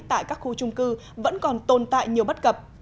tại các khu trung cư vẫn còn tồn tại nhiều bất cập